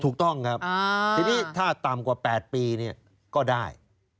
ถูกต้องครับทีนี้ถ้าต่ำกว่า๘ปีเนี่ยก็ได้